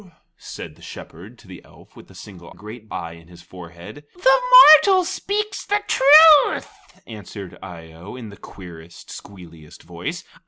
said the Shepherd to the elf with the single great eye in his forehead. "The mortal speaks the truth," answered Eye o in the queerest, squealiest voice.